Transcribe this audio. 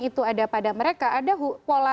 itu ada pada mereka ada pola